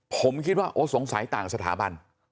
ผมคิดว่าโอ้สงสัยต่างสถาบัน